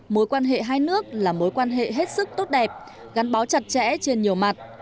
mối quan hệ hai nước là mối quan hệ hết sức tốt đẹp gắn bó chặt chẽ trên nhiều mặt